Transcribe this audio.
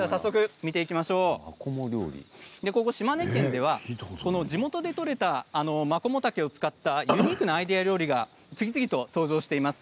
ここ島根県では地元で取れたマコモタケを使ったユニークなアイデア料理が次々と登場しています。